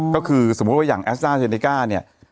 ก็คือสมมุติว่าอย่างแอสต้าเซเนก้าเนี่ย